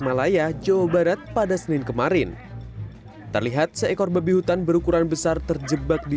malaya jawa barat pada senin kemarin terlihat seekor babi hutan berukuran besar terjebak di